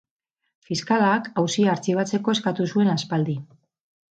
Fiskalak auzia artxibatzeko eskatu zuen aspaldi.